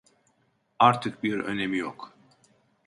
Artık bir önemi yok.